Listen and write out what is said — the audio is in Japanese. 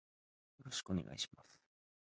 よろしくお願いします。